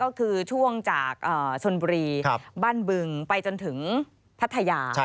ก็คือช่วงจากชนบุรีบ้านบึงไปจนถึงพัทยา